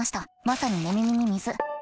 まさに寝耳に水。